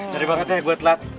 seri banget ya gua telat